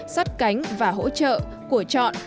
sát cánh và hỗ trợ của trọn